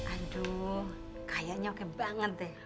aduh kayaknya oke banget deh